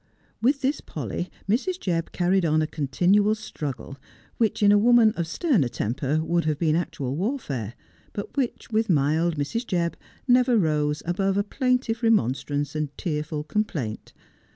"With this Polly Mrs. Jebb carried on a continual struggle, which in a woman of sterner temper would have been actual warfare ; but which with mild Mrs. Jebb never rose above plaintive remonstrance and tearful complaint.